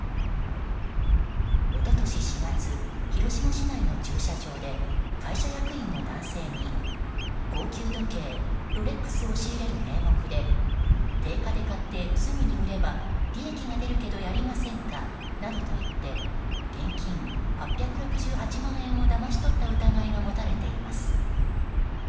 一昨年４月、広島市内の駐車場で会社役員の男性に高級時計ロレックスを仕入れる名目で定価で買ってすぐに売れば利益が出るけどやりませんかなどと言って現金８６８万円をだまし取った疑いが持たれています。